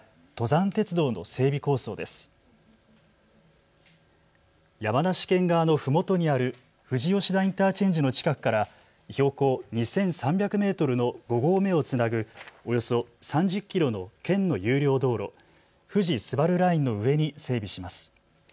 山梨県側のふもとにある富士吉田インターチェンジの近くから標高２３００メートルの５合目をつなぐおよそ３０キロの県の有料道路、富士スバルラインの上に整備します。